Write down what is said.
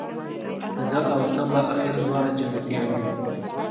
زه او ته به آخر دواړه جنتیان یو